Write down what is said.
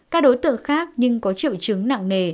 các đối tượng khác nhưng có triệu chứng nặng nề